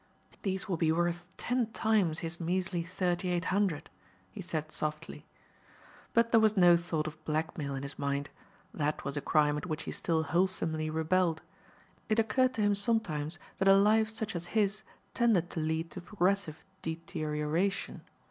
"These will be worth ten times his measly thirty eight hundred," he said softly. But there was no thought of blackmail in his mind. That was a crime at which he still wholesomely rebelled. It occurred to him sometimes that a life such as his tended to lead to progressive deterioration.